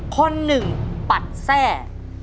คนหนึ่งปัดแทร่